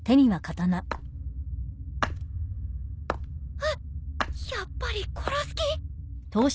ひっやっぱり殺す気？